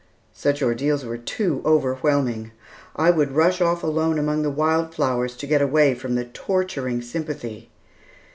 Such ordeals were too overwhelming. I would rush off alone among the wild flowers to get away from the torturing sympathy.